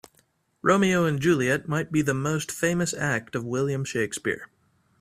Romeo and Juliet might be the most famous act of William Shakespeare.